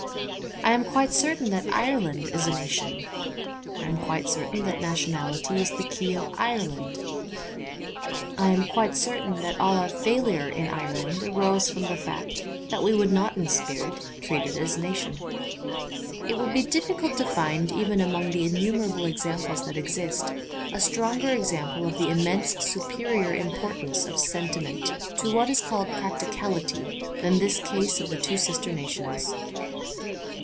I am quite certain that Ireland is a nation. I am quite certain that nationality is the key of Ireland ; I am quite certain that all our failure in Ireland arose from the fact that we would not in spirit treat it as a nation. It would be difficult to find, even among the innumerable examples that exist, a stronger example of the immensely superior im portance of sentiment, to what is called practicality, than this case of the two sister nations.